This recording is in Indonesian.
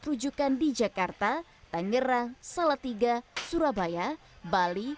rujukan di jakarta tangerang salatiga surabaya bali